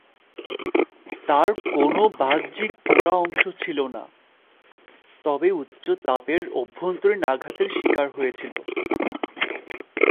তার কোনও বাহ্যিক পোড়া অংশ ছিল না, তবে উচ্চ তাপের অভ্যন্তরীণ আঘাতের শিকার হয়েছিল।